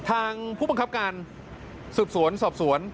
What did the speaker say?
ทางผู้บังคับการสืบสวนสอบสวน